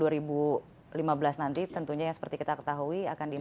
sukuk itu banyak variasinya yang memang bisa di fit in dari berbagai kegiatan